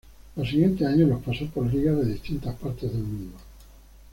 Los siguientes años los pasó por ligas de distintas partes del mundo.